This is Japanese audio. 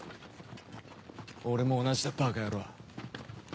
俺も同じだバカ野郎！